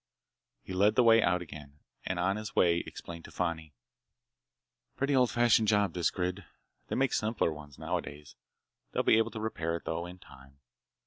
He led the way out again, and on the way explained to Fani: "Pretty old fashioned job, this grid. They make simpler ones nowadays. They'll be able to repair it, though, in time.